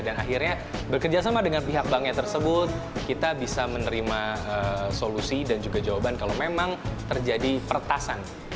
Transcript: dan akhirnya bekerjasama dengan pihak banknya tersebut kita bisa menerima solusi dan juga jawaban kalau memang terjadi pertasan